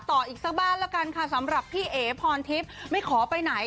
ต่ออีกสักบ้านละกันค่ะสำหรับพี่เอ๋พรทิพย์ไม่ขอไปไหน